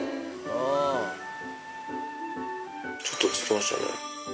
ちょっと落ち着きましたね。